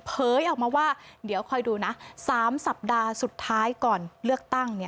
เผยออกมาว่าเดี๋ยวคอยดูนะ๓สัปดาห์สุดท้ายก่อนเลือกตั้ง